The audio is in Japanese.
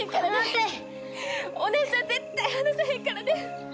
お姉ちゃん絶対離さへんからね！